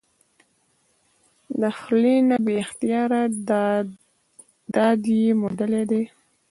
د خلي نه بې اختياره داد ئې موندلے دے ۔